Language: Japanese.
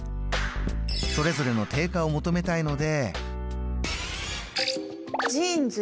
それぞれの定価を求めたいので。